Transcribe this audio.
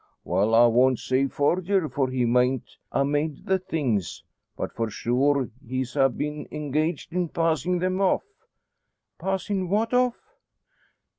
"Well, I won't say forger, for he mayn't a made the things. But for sure he ha' been engaged in passin' them off." "Passin' what off!"